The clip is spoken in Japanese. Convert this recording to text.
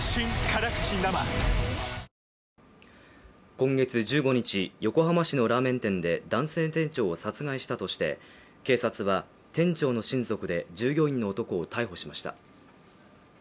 今月１５日、横浜市のラーメン店で男性店長を殺害したとして警察は店長の親族で従業員の男を逮捕しました。